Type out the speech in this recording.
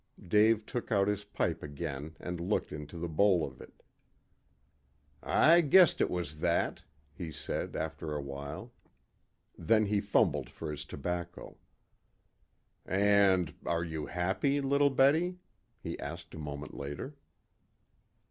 Dave took out his pipe again and looked into the bowl of it. "I guessed it was that," he said, after a while. Then he fumbled for his tobacco. "And are you happy little Betty?" he asked a moment later.